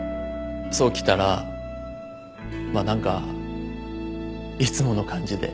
想来たらまあ何かいつもの感じで。